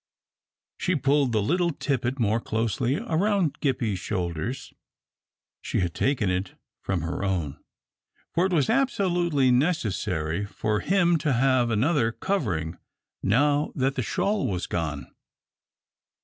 She pulled the little tippet more closely around Gippie's shoulders. She had taken it from her own, for it was absolutely necessary for him to have another covering now that the shawl was gone.